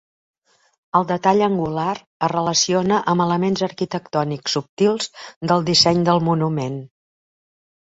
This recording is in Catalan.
El detall angular es relaciona amb elements arquitectònics subtils del disseny del monument.